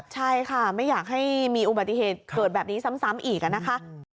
ใช่ค่ะไม่อยากให้มีอุบัติเหตุเกิดแบบนี้ซ้ำอีกนะคะ